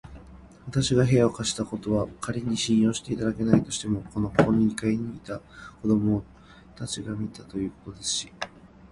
わたしが部屋を貸したことは、かりに信用していただけないとしても、ここの二階にいたのを子どもたちが見たということですし、